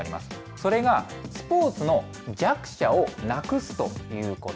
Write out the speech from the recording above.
それが、スポーツの弱者をなくすということ。